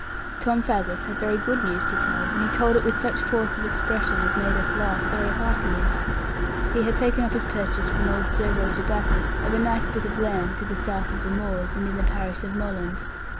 Tom Faggus had very good news to tell, and he told it with such force of expression as made us laugh very heartily. He had taken up his purchase from old Sir Roger Bassett of a nice bit of land, to the south of the moors, and in the parish of Molland.